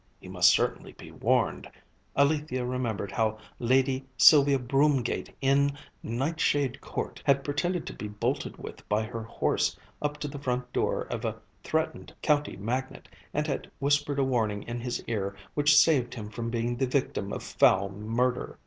He must certainly be warned. Alethia remembered how Lady Sylvia Broomgate, in Nightshade Court, had pretended to be bolted with by her horse up to the front door of a threatened county magnate, and had whispered a warning in his ear which saved him from being the victim of foul murder.